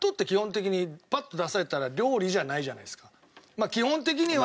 まあ基本的には。